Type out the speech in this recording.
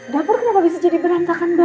dapur kenapa bisa jadi berantakan mbak